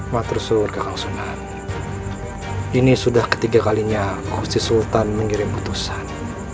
matrusur kakak sunan ini sudah ketiga kalinya kosti sultan mengirim putusan